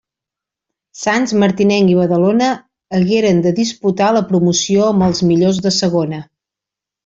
Sants, Martinenc i Badalona hagueren de disputar la promoció amb els millors de segona.